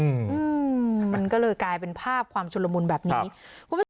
อืมมันก็เลยกลายเป็นภาพความชุนละมุนแบบนี้คุณผู้ชม